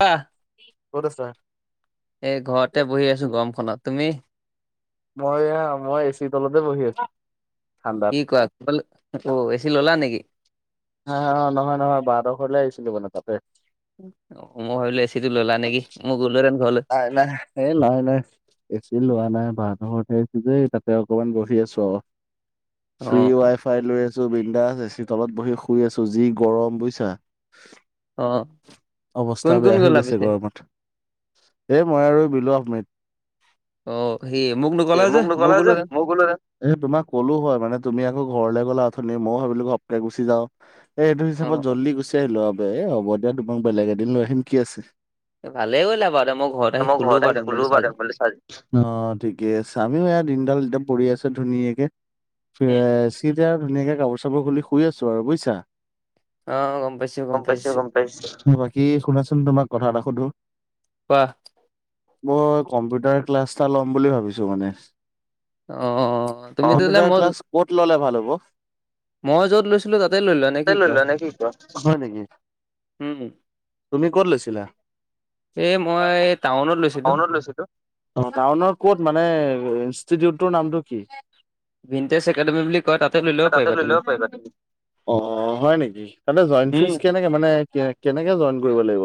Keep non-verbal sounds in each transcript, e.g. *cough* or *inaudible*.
আহ। ক'ত আছা? এই ঘৰতে বহি আছো গৰমখনত, তুমি? মই এয়া মই এ চি তলতে বহি আছো। ঠাণ্ডাত। কি কোৱা অ' এ চি ল'লা নেকি? হা অ' নহয় নহয় বাহতঁৰ ঘৰলে আহিছিলো মানে তাতে। মই ভাবিলো এসচি টো ল'লা নেকি মোৰ গ'লো হেনেন ঘৰলৈ। নাই নাই। এ নাই নাই এ চি লোৱা নাই বাহঁতৰ ঘৰত আহিছো যে তাতে অকমান বহি আছো আৰু। অ ফ্ৰি ৱাই ফাই লৈ আছো বিণ্ডাছ এ চি তলত বহি শুই আছো যি গৰম বুজিছা। অ কোন অৱস্থা কোন বেয়া হৈ গ'লা গৈছে পিছে গৰমত এ মই আৰু বিলো আহমেদ। অ সি মোক নকলা এই যে মোক মই নক'লা যে গলোহেতেন মইয়ো গ'লো হেতেন। এ তোমাক ক'লো হয় মানে তুমি আকৌ ঘৰলৈ গ'লে উঠনি ময়ো ভাবিলো ঘপকে গুচি যাওঁ। এ এইটো অ হিচাপত অ জল্দি গুচি আহিলো বে এ হ'ব দিয়া তোমাক বেলেগ এদিন লৈ আহিম কি আছে। ভালে কৰিলা বাৰু দে মই ঘৰত আহি শুলো বাৰু দে মোবাইলটো চাৰ্জ দি। অ', ঠিকে আামিও এয়া দিনডাল একদম পৰি আছো ধুনীয়াকে এ উম তেতিয়া আৰু ধুনীয়াকে কাপোৰ চাপোৰ খুলি শুই আছো আৰু বুজিছা। অ গম পাইছো গম পাইছো গম পাইছ বাকী শুনাচোন তোমাক কথা এটা সুধো। কোৱা। মই কম্পিউটাৰ ক্লাছ এটা ল'ম বুলি ভাবিছো মানে। অ তুমি তেতিয়াহ'লে কম্পিউটাৰ মই ক্লাছ ক'ত ল'লে ভাল হ'ব? মই য'ত লৈছিলো তাতে লোৱা। নে কি লৈ কোৱা লোৱা নে কি কোৱা হয় নেকি, উম তুমি ক'ত লৈছিলা? এ মই টাউনত লৈছো। টাউনত লৈছিলো। অ', টাউনৰ ক'ত মানে ইনষ্টিটিউটৰ নামটো কি? ভিনটেজ একাডেমি বুলি কয় তাতে লৈ ল'ব পাৰিবা তুমি। *inaudible* অ', হয় নেকি তাতে জই উম ফ্ৰিজ কেনেকে মানে কেনেকে জইন কৰিব লাগিব?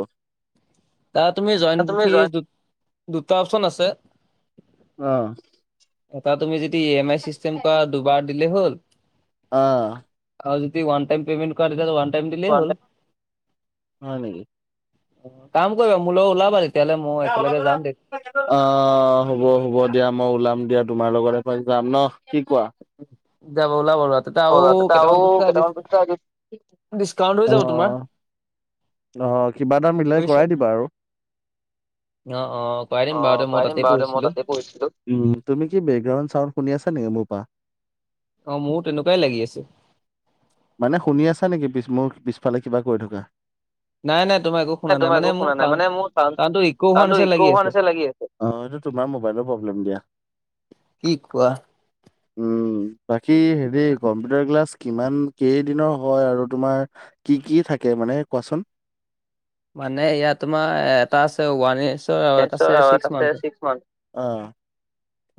তাৰ তুমি জইণ্ট তুমি ফি জইন দুটা অপশচন আছে। অ'। এটা তুমি যদি ই এম আই চিষ্টেম কৰা দুবাৰ দিলে হ'ল। অ'। আৰু যদি ওৱান টাইম পেমেণ্ট কৰা তেতিয়া হ'লে ওৱান টাইম দিলে হ'ল। হয় নেকি? কাম কৰিবা মোৰ লগত ওলাবা। তেতিয়াহ'লে মই একেলগে যাম দে *inaudible* অ', হ'ব হ'ব দিয়া মই ওলাম দিয়া তোমাৰ লগত এপাক যাম নহ কি কোৱা? *inaudible* কেইটামান *unintelligible* পইচা ডিচ- কেইটামান *unintelligible* ডিচকাউন্ট হৈ যাব তোমাৰ অ'। অ', কিবা এটা মিলাই বুজিছা কৰাই দিবা আৰু। অ', অ', কৰাই দিম অ', বাৰু দে কৰাই মই দিম তাতে বাৰু মই পঢ়িছিলো। তাতে পঢ়িছিলোঁ। তুমি কি বেকগ্ৰাউণ্ড চাউড শুনি আছা নেকি মোৰ পৰা? অ', মোৰো তেনেকুৱাই লাগি আছে। মানে শুনি আছা নেকি পিছ মোৰ পিছফালে কিবা কৰি থকা। নাই নাই তোমাৰ একো শুনা নাই তোমাৰ মানে একো মোৰ শুনা নাই চাউণ্ড মানে মোৰ চাউণ্ডটো ইকো হোৱা চাউন্ডটো নিচিনা ইকৌ লাগি হোৱা আছে নিচিনা লাগি আছে। অ', এইটো তোমাৰ মোবাইলৰ প্ৰব্লেম দিয়া। কি কোৱা! উম, বাকী হেৰি কম্পিউটাৰ ক্লাছ কিমান কেইদিনৰ হয়, আৰু তোমাৰ কি, কি থাকে মানে কোৱাচোন? মানে ইয়াত তোমাৰ এটা আছে ওৱান ইয়েৰচ আৰু এটা আছে তাৰপিছত চিক্স আছে মান্থ। ছিক্স অ,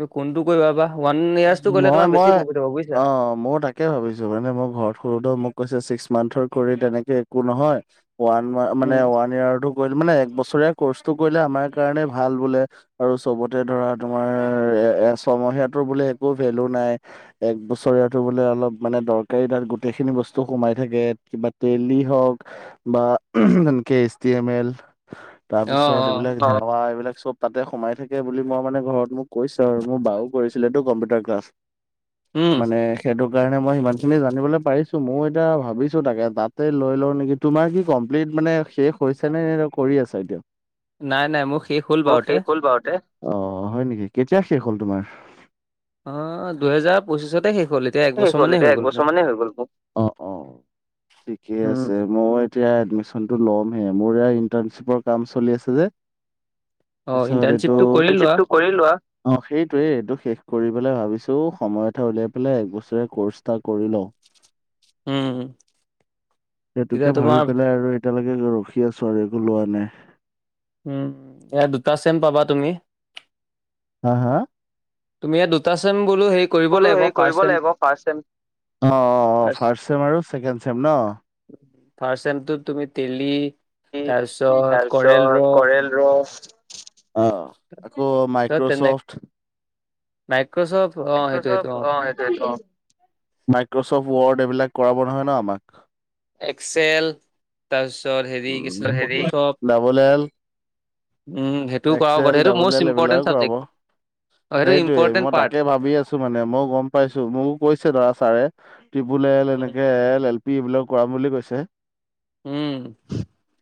ত' কোনটো কৰিবা বা ওৱান ইয়েৰচটো তোমাৰ মই কৰিলে মই বেছি প্ৰফিট হ'ব বুইছা। অ', অ', ময়ো তাকে তাকে ভাবিছোঁ মানে মই ঘৰত সোধোতেও মোক কৈছে ছিক্স মান্থৰ কৰি তেনেকে একো নহয় ওৱান মানে ওৱান ইয়েৰটো কৰিলে মানে এক বছৰীয়া কৰ্চটো কৰিলে আমাৰ কাৰণে ভাল বোলে। আৰু চবতে ধৰা তোমাৰ এ, ছমহীয়াটোৰ বোলে একো ভেলু নাই। এক বছৰীয়াটো বোলে অলপ মানে দৰকাৰী তাত গোটেইখিনি বস্তু সোমাই থাকে কিবা *unintelligible* হওঁক। বা এনেকে এইচটি এম এল অ তাৰপিছত অ এইবিলাক *unintelligible* এইবিলাক চব তাতে সোমাই থাকে বুলি মই মানে ঘৰত মোক কৈছে আৰু মোৰ বা ও কৰিছিলেটো কম্পিউটাৰ ক্লাছ। উম মানে সেইটোকাৰণে মই সিমানখিনি জানিবলৈ পাৰিছোঁ ময়ো এতিয়া ভাবিছোঁ তাকে, তাতে লৈ লওঁ নেকি? তোমাৰ কি কমপ্লিট মানে শেষ হৈছেনে ন কৰি আছা এতিয়াও? নাই, নাই মোৰ শে মোৰ শেষ হ'ল বাৰুতে। অ', হয়, নেকি কেতিয়া শেষ হ'ল তোমাৰ? অ', দুহেজাৰ পঁচিছতে শেষ হ'ল এতিয়া শেষ একবছৰ হ'ল মানেই এতিয়া হৈ গ'ল মোৰ একবছৰ মানেই হৈ গ'ল মোৰ। অ', অ', ঠিকেই উম আছে। মইও এতিয়া এডমিশ্যনটো ল'মহে মোৰ এয়া ইন্টাৰশ্বিপৰ কাম চলি আছে যে। অ *inaudible* কৰি ইণ্টাৰ্ণশ্বিপটো কৰি লোৱা অ', সেইটোয়ে এইটো শেষ কৰি পেলাই ভাবিছোঁ সময় এটা উলিয়াই পেলাই এক বছৰ ৰীয়া কৰ্চ এটা কৰি লওঁ। উম। তেতিয়া সেইটোকে ভাবি তোমাৰ পেলাই আৰু এতিয়ালৈকে ৰখি আছোঁ আৰু একো লোৱা নাই। উম, এ, দুটা চেম পাবা তুমি। হা, হা! তুমি এতিয়া দুটা চেম বোলো হে বোলো হেৰি কৰিব লাগিব ফাষ্ট ছেম, অ', অ', ফাষ্ট ছেম আৰু ছেকেণ্ড ছেম ন! ফাষ্ট ছেমটোত তুমি ডেইলী *unintelligible* তাৰপিছত কৰেল ৰ অ', আকৌ তাৰপিছত তেনে মাইক্ৰ'চফ্ট মাইক্ৰচফ্ট অ সেইটো সেইটো মাইক্ৰচফ্ট, অ', সেইটোৱে টো অ', মাইক্ৰচফট ৱৰ্ড এইবিলাক কৰাব নহয় ন আমাক? এক্সেল তাৰপিছত হেৰি' কি আছিলে ফটোশ্বপ। ডাবল এল, উম, সেইটোও কৰাব এক্সেল, *unintelligible* সেইটো ডাবল এল ম'ষ্ট ইম্পৰ্টেণ্ট এইবিলাকো কৰাব। চাবজেক্ট। অ', সেইটো ইম্পৰ্টেণ্ট পাৰ্ট। ছোঁ মানে মইও গম পাইছোঁ মোকো কৈছে ধৰা ছাৰে ট্ৰিবল এল এনেকে এল, এল পি এইবিলাক কৰাম বুলি কৈছে। উম।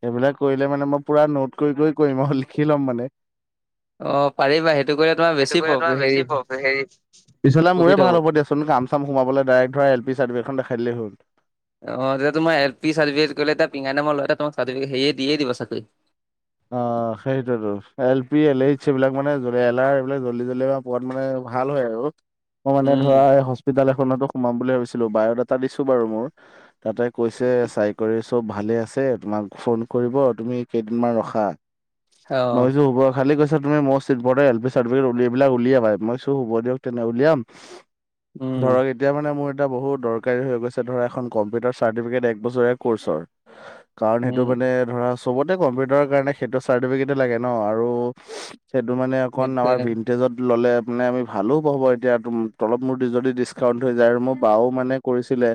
সেইবিলাক কৰিলে মানে মই পুৰা নোট কৰি, কৰি কৰিম আৰু লিখি ল'ম মানে। অ', পাৰিবা সেইটো কৰিলে তোমাৰ বেছি সেইটো কৰিলে প্ৰ তোমাৰ হেৰি বেছি প্ৰফিট, পিছলে মোৰে ভাল হ'ব দিয়া চো চোন কাম চাম সোমাবলে ডাইৰেক্ট ধৰা এল পি চাৰ্টফিকেটখন দেখাই দিলে হ'ল। অ', তেতিয়া তোমাৰ এল পি চাৰ্টিফিকেট ক'লে তাত পিঙা নামৰ ল'ৰা এটাই তোমাক চাৰ্টিফিকেট সেই দিয়ে দিব চাকৰি। অ', সেইটোয়েটো এল পি, এল এইচ এইবিলাক মানে এলাৰ এইবিলাক জল্দি জল্দি বা পোৱাত মানে ভাল হয়, আৰু আকৌ মানে উম, ধৰা এই হস- হস্পিতাল এখনতো সোমাম বুলি ভাবিছিলোঁ বায়'ডাটা দিছোঁ বাৰু মোৰ তাতে কৈছে চাই কৰি চব ভালে আছে তোমাক ফোন কৰিব তুমি কেইদিনমান ৰখা খা, মই অ', কৈছোঁ হ'ব খালি কৈছে তুমি মষ্ট *unintelligible* এল পি চাৰ্টিফিকেট উলিয়া এইবিলাক উলিয়াবাই, মই কৈছোঁ হ'ব দিয়ক তেন্তে উলিয়াম। উম, ধৰক এতিয়া মানে মোৰ এটা বহুত দৰকাৰী হৈ গৈছে ধৰ এখন কম্পিউটাৰ চাৰ্টিফিকেট এক বছৰীয়া কৰ্চৰ কাৰণ সেইটো মানে উম, ধৰা চবতে কম্পিউটাৰৰ কাৰণে সেইটো চাৰ্টিফিকেট লাগে ন' আৰু সেইটো মানে অকণ আমাৰ সেইটোৱে। ভন্টেজত ললে মানে আমি ভালো হব এতিয়া অলপ মোৰ যদি ডিচকাউন্ট হৈ যায় আৰু মোৰ বাও মানে কৰিছিলে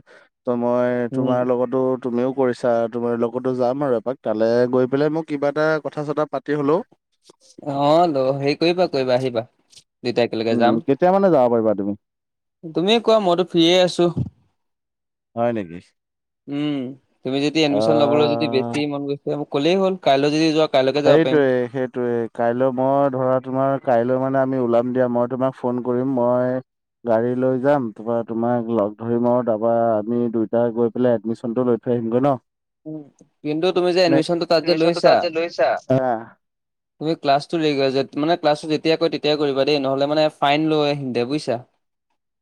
ত' মই উম, তোমাৰ লগতো তুমিও কৰিছা তুমাৰ লগতো যাম আৰু এপাক তালে গৈ পেলাই মোক কিবা এটা কথা চথা পাতি হ'লেও অ' ল হেৰি কৰিবা কৰিবা আহিবা দুইটা একেলগে উম যাম কেতিয়া মানে যাব পাৰিবা তুমি? তুমিয়ে কোৱা মইতো ফ্ৰী য়ে আছো। হয় নেকি? উম' তুমি যদি এডমিশন ল'বলৈ যদি আহ বেছি কি মন গৈছে মোক ক'লেই হ'ল কাইলৈ যদি যোৱা কাইলৈকে যাব পাৰিম। সেইটোয়ে সেইটোয়ে কাইলৈ মই ধৰা তোমাৰ কাইলৈ মানে আমি ওলাম দিয়া মই তোমাক ফোন কৰিম মই গাড়ী লৈ যাম তাৰপৰা তোমাক লগ ধৰিম আৰু তাৰপা আমি দুইটা গৈ পেলাই এডমিশনটো লৈ থৈ আহিম গই ন'। কিন্তু তুমি যে নে এডমিশনতটো তাত যে এডমিশ্যনটো লৈছা তাত লৈছা তুমি ক্লাছটো *unintelligible* মানে ক্লাছটো যেতিয়া কয় তেতিয়াই কৰিবা দেই নহ'লে মানে ফাইন লয় সিঁহতে বুজিছা।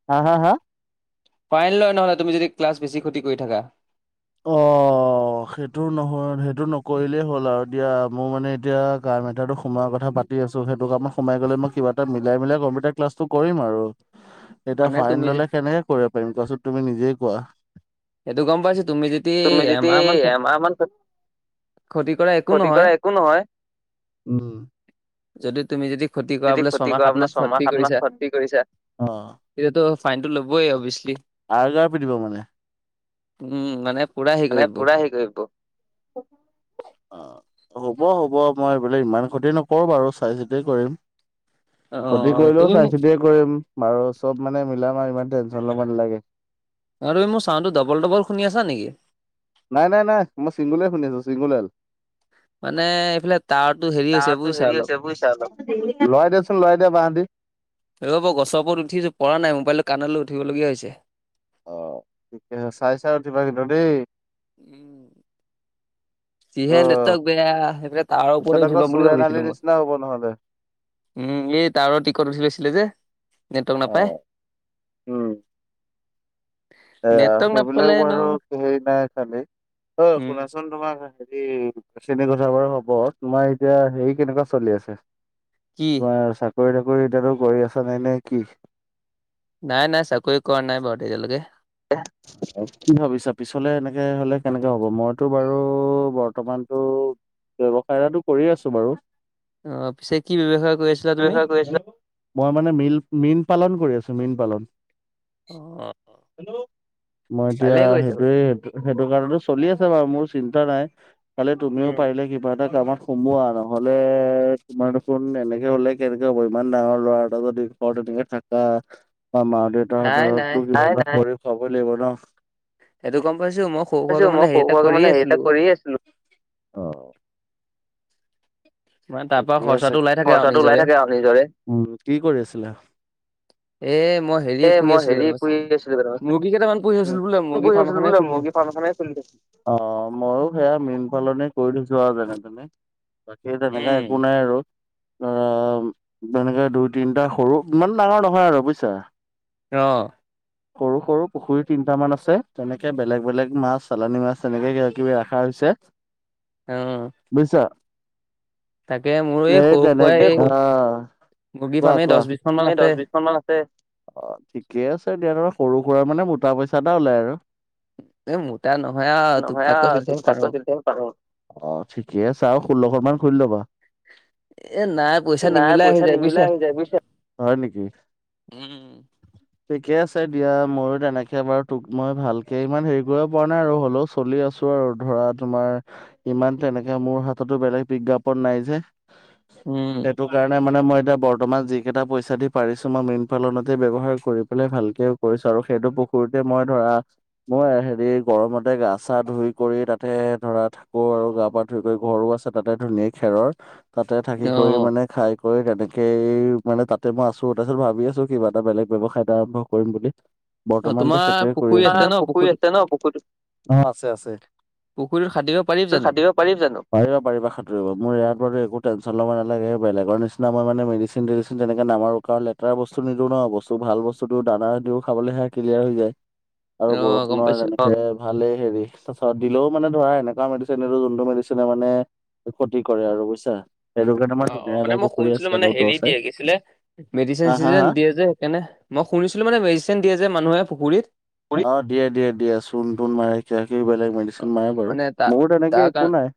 হা হা হা ফাইন লয় নহ'লে তুমি যদি ক্লাছ বেছি ক্ষতি কৰি থাকা। অ' অ' সেইটো নহয় সেইটো নকৰিলেই হ'ল আৰু দিয়া মোৰ মানে এতিয়া কাম এটাটো সোমোৱাৰ কথা পাটি আছো সেইটো কামত সোমাই গলে মই কিবা এটা মিলাই মিলাই কম্পিউটাৰ ক্লাছটো কৰিম আৰু এতিয়া মানে তুমি ফাইন যে ল'লে কেনেকে কৰিব পাৰিম কোৱাচোন তুমি নিজেই কোৱা। সেইটো গম পাইছো তুমি যদি তুমি যদি এমাহ মান ক্ষতি এমাহ মান ক্ষতি কৰা একো ক্ষতি নহয় কৰা একো নহয়। উম। যদি তুমি যদি ক্ষতি যদি কৰাবলৈ ক্ষতি ছমাহ কৰা বোলে সাতমাহ ছমাহ ক্ষতি সাত মাহ কৰিছা ক্ষতি কৰিছা। অ' এতিয়াতো ফাইনটো লবই অভিয়াচলি। আৰগাৰ পিটিব মানে উম' মানে পুৰা হেৰি মানে কৰিব পুৰা হেৰি কৰিব হ'ব হ'ব মই বোলে ইমান ক্ষতি নকৰো বাৰু চাই চিতিয় কৰিম কতি অ' কৰিলেও তুমি চাই মোক চিতিয়ে কৰিম আৰু চব মানে মিলা ম আৰু ইমান টেনশন ল'ব নালাগে আৰু এই মোৰ চাউনতটো ডাবল ডবল শুনি আছা নেকি নাই নাই নাই মই চিংগুল শুনি আছো চিংগুল মানে এইফালে টাৱাৰটো হেৰি হৈছে তাৰতো বুজিছা হেৰি অলপ। হৈছে বুজিছা অলপ লৰাই দিয়াচোন লৰাই দিয়া বাহতি ৰ'ব গছৰ ওপৰত উঠিছো পৰা নাই মোবাইলটো কাণলৈ উঠিবলগীয়া হৈছে অ িকে চাই চাই থিবা কিন্ত দেি উম কিহে অ' ন বেয়া সেইফে তাৰ পিছত ওপৰতে উঠ আকৌ লম বুলি চোৰেন আলিৰ ভাবিছিলো মই নিচিনা হ'ব নহ'লে। উম এই টাৱাৰৰ টিকট উঠি লৈছিলে যে নেটৱৰ্ক নাপায় অ' উম। এ নেটৱৰ্ক সেইবিলাক নাপালেনো বাৰু হেৰি নাই খালি অ উম শুনাচোন তোমাৰ হেৰি চ্ৰেণী গোছাৰ বাৰু হব তোমাৰ এতিয়া হেৰি কেনেকুৱা চলি আছে কি তমাৰ চাকৰি তাকৰি এতিয়াতো কৰি আছা নাই নে কি নাই নাই চাকৰি কৰা নাই বাৰু তেতিয়ালৈকে এ আৰু কি ভাবিছা পিছলে এনেকে হলে কেনেকে হব মইতো বাৰু বৰ্তমানতো ব্যয়ৱসায় এটো কৰি আছো বাৰু অঁ পিছে কি ব্যৱসায় কৰি আছিলা তুমি ব্যৱসায় কৰি আছিলা? মই মানে মীল- মীন পালন কৰি আছোঁ মীন পালন। অ'। মই এতিয়া ভালেই কৰিছা বাৰু সেইটোয়ে, সেইটো কাৰণে চলি আছে বাৰু মোৰ চিন্তা নাই। খালি তুমিও উম পাৰিলে কিবা এটা কামত সোমোৱা নহ'লে তোমাৰ দুখুন এনেকে হলে কেনেকে হ'ব ইমান ডাঙৰ ল'ৰা এটা যদি ঘৰত তেনেকে থাক আ, মা নাই দেউতাহঁতৰ নাই *unintelligible* খুৱাবই লাগিব ন? সেইটো গম পাইছো মই সৰু সুৰাকে গম পাইছোঁ, মানে মই হেৰি এটা সৰু *unintelligible* কৰিয়ে মানে হেই আছিলো এটা কৰিয়ে আছিলোঁ। অ'। মানে তাৰ পৰা ঠিকে আছে, খৰচাটো ওলাই থাকে আৰু খৰচাটো ওলাই নিজৰে থাকে আৰু নিজৰে কি কৰি আছিলা? এ মই হেৰি এ, পুহি মই আছিলো হেৰি কেইটামান চা- কৰি আছিলোঁ। মুৰ্গী কেইটামান পুহি আছিলো বোলে মুৰ্গী *unintelligible* ফাৰ্ম এখনে আছিলোঁ *unintelligible* খুলি থৈছো *unintelligible* অ', ম‌ইও সেয়া মীন পালনে কৰি থৈছোঁ আৰু যেনে তেনে। বাকি তেনেকা উম একো নাই আৰু। অ', তেনেকৈ দুই তিনিটা সৰু ইমান ডাঙৰ নহয় আৰু বুজিছা? অ'। সৰু সৰু পুখুৰী তিনিটামান আছে, তেনেকে বেলেগ বেলেগ মাছ চালানী মাছ তেনেকে কিবা কিবি ৰখা হৈছে। অ বুইছা? তাকে মোৰ এই সেই সৰু সুৰাই তেনেকে এই *unintelligible* কোৱা, মুৰ্গী ফাৰ্মে দহ কোৱা বিশ খন মান এই আছে দহ বিছশ মান আছে। অ', ঠিকেই আছে দিয়া ধৰা সৰু সুৰা মানে মোটা পইচা এটা ওলাই আৰু। এ মোটা নহয় আৰু তোক তাককৈ নহয়া চলি থাকিব পাৰো *unintelligible* অ', ঠিকে আছে আৰু ষোল্লশ মান খুলি ল'বা। এ নাই পইচা নাই নিমিলাই হৈ পইচা যায় বুজিছা নিমিলা হৈ যায় বুজিছা, হয় নেকি? উম। ঠিকে আছে। ছে দিয়া ময়ো তেনেকে বাৰু তোক মই ভালকে ইমান হেৰি কৰিব পৰা নাই আৰু হ'লেও চলি আছোঁ। *unintelligible* আৰু ধৰা তোমাৰ ইমান তেনেকে মোৰ হাততো বেলেগ বিজ্ঞাপন নাই যে। উম, *unintelligible* কাৰণে মানে মই এতিয়া বৰ্তমান যি কেইটা পইচা দি পাৰিছোঁ মই মীন পালনতে ব্যৱহাৰ কৰি পেলাই ভাল কৰিছোঁ আৰু সেইটো পুখুৰীতে মই ধৰা মই হেৰি গৰমতে গা চা ধুই কৰি তাতে ধৰা থাকোঁ আৰু গা-পা *unintelligible* *unintelligible* ঘৰো আছে তাতে ধুনীয়া খেৰৰ তাতে থাকি কৰি অ', মানে খাই ম‌ই তেনেকেই মানে তাতে ম‌ই আছোঁ, তাৰপিছত ভাবি আছোঁ, কিবা এটা বেলেগ ব্যৱসায় এটা আৰম্ভ কৰিম বুলি। অ, বৰ্তমান তোমাৰ সেইটোৱে কৰি পুখুৰী আছোঁ আছে ন *unintelligible* পুখুৰী পুখুৰীটোত আছে ন? পুখুৰীত আছে, আছে। পুখুৰীটো খান্দিব পাৰি। পুখুৰীটো খান্দিব পাৰি জানো? পাৰিবা পাৰিবা খান্দিব, মোৰ ইয়াৰ ওপৰতে একো টেনচন ল'ব নালাগে। আমাৰ মানে মেডিচিন চেডিচিন তেনেকে নামাৰো কাৰণ লেতেৰা বস্তু নিদিওঁ ন, বস্তুটো ভাল বস্তু। দানা দিও খাবলে সেয়া ক্লিয়াৰ হৈ যায়, আৰু অ', গম বৰষুণৰ পাইছো। তেনেকে ভালেই হেৰি কথা পাতিলে‌ও ক্ষতি কৰে আৰু বুইছা? অ', অ, মানে মই শুনিছিলোঁ মানে দ হেৰি চাই দিয়ে মানে কি আছিলে মেডিচিন হা হা চেডিচিন হা দিয়ে যে সেইকাৰণে শুনিছিলো মানে মেডিচিন দিয়ে যে মানুহে পুখুৰীত অ', দিয়ে-দিয়ে দিয়ে চোন তোণ মাৰে কিবাকিবি বেলেগ অ, মেডিচিন মাৰে বাৰু মানে তা মোৰ তেনেকে তাৰ একো কাৰ নাই।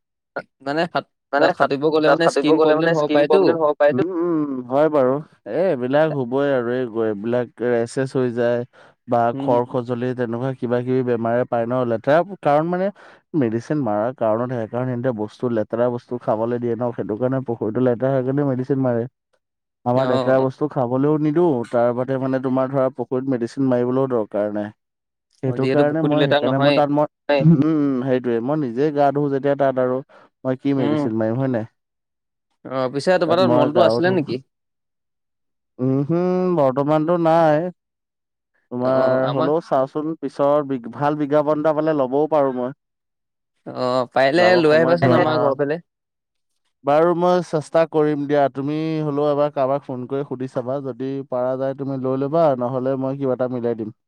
মানে সাত মানে তাত সাঁতুৰিব গ'লে খাট- মানে খাটিব স্কিন গ'লে প্ৰব্লেম মানে হ'ব স্কিন পাৰেতো। প্ৰব্লেম হ *unintelligible* উম, উম, হয় বাৰু। এ, এইবিলাক শুবই আৰু এই এইবিলাক এচেচ হৈ যায় বা উম, ঘৰ সজুলি তেনেকুৱা কিবা কিবি বেমাৰে পায় ন লেতেৰা কাৰণ মানে মেডিচিন মাৰা কাৰণত সেইকাৰণে হেন্তে বস্তু লেতেৰা বস্তু খাবলৈ দিয়ে ন সেইটো কাৰণে পুখুৰীটো লেতেৰা সেই কাৰণে মেডিচিন মাৰে আমাৰ লেতেৰা অ', বস্তু খাবলৈও নিদিওঁ। তাৰ বাদে মানে তোমাৰ ধৰা পুখুৰীত মেডিচিন মাৰিবলৈও দৰৱ কাৰণে অ, সেইটো যিহেতু কাৰণে পুখুৰীটো মই লেতেৰা সেইকাৰণে মই নহয়েই। তাত মই উম, উম, সেইটোয়ে মই নিজে গা ধু যেতিয়া তাত আৰু মই কি উম, মেডিচিন মাৰিম হয় ন অ', পিছে তোমাৰ তাত মই মলটো গাৰ আছিলে ধো নেকি? উম, হম বৰ্তমানতটো নাই তোমাৰ অ', আমাৰ চাওঁচোন পিছৰ বি ভাল বিজ্ঞাপন এটা পালে ল'বও পাৰো মই। অ'পাৰিলে যাব লৈ সময়ত আহিবাচোন ধৰা আমাৰ ঘৰ ফালে। *inaudible* বাৰু মই চেষ্টা কৰিম দিয়া। তুমি হ'লেও এবাৰ কাৰোবাক ফোন কৰি সুধি চাবা যদি পৰাৰা যায়, তুমি লৈ ল'বা নহ'লে মই কিবা এটা মিলাই দিম।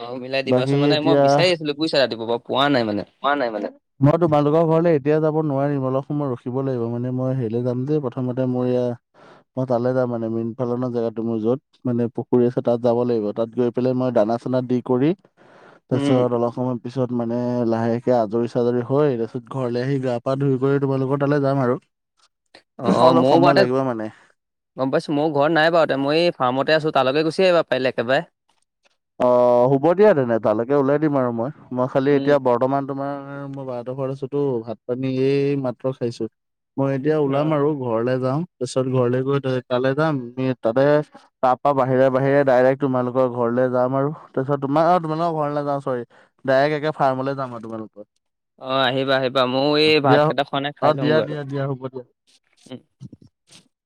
অ' মিলাই বাকী দিবাচোন মানে মই এতিয়া বিচাৰি আছিলো বুইছা ৰাতিপুৱা পৰা পোৱা নাই মানে। হোৱা নাই মানে। মই তোমালোকৰ ঘৰলৈ এতিয়াও যাব নোৱাৰিম। অলপ সময় ৰখিব লাগিব। মানে মই হেৰিলে যাম যে, প্ৰথমতে মোৰ ইয়াৰ মই তালে যাম মানে মীন পালনৰ জেগাটো মোৰ য'ত। মানে পুখুৰী আছে, তাত যাব লাগিব। তাত গৈ পেলাই মই দানা চানা দি কৰি। উম তাৰপিছত অলপ সময় পিছত মানে লাহেকে আজৰি চাজৰি হৈ তাৰপিছত ঘৰলৈ আহি গা পা ধুই কৰি তোমালোকৰ তালৈ যাম আৰু। অ আৰু অলপ ময়ো সময় বাৰুতে লাগিব মানে। গ'ম পাইছো। মোৰ ঘৰত নাই বাৰু মই ফাৰমতে আছো, তালৈকে গুচি আহিবা পাৰিলে একে বাৰে। অ' হ'ব দিয়া তেনে তালৈকে উওলাই দিম আৰু মই মই খালি উম এতিয়া বৰ্তমান তোমাৰ মই বাহঁত ঘৰত আছোতো ভাত পানী এই মাত্ৰ খাইছোঁ। মই এতিয়া অ ওলাম আৰু ঘৰলে যাওঁ তাৰপিছত ঘৰলে গৈ তালৈ যাম। আমি তাতে তাৰ পৰা বাহিৰে বাহিৰে ডাইৰেক্ট তোমালোকৰ ঘৰলৈ যাম আৰু তাৰপিছত তোমাৰ তোমালোকৰ ঘৰলৈ নাজাও চৰি ডাইৰেক্ট একে ফাৰ্মলৈ যাম আৰু তোমালোকৰ। অ' আহিবা আহিবা মও এই ভাত দিয়া কেইটা খোৱা নাই, খাই অ দিয়া লওঁগৈ আৰু দিয়া দিয়া হ'ব দিয়া উম।